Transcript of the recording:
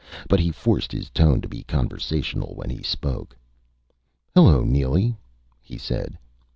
But he forced his tone to be conversational when he spoke. "Hello, Neely," he said.